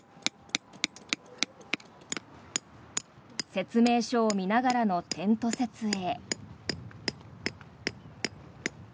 説明書を見ながらのテント設営。